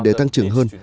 để tăng trưởng hơn